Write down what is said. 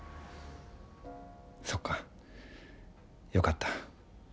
そっかよかった。